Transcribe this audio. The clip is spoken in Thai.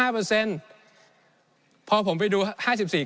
ในช่วงที่สุดในรอบ๑๖ปี